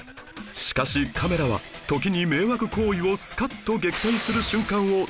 しかしカメラは時に迷惑行為をスカッと撃退する瞬間を捉えていました